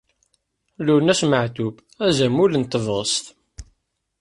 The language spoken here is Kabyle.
Lwennas Matoub azamul n tebɣest.